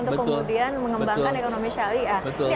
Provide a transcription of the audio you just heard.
untuk kemudian mengembangkan ekonomi syariah